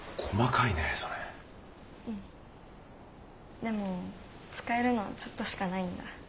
でも使えるのはちょっとしかないんだ。